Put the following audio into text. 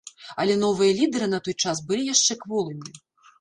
Але новыя лідэры на той час былі яшчэ кволымі.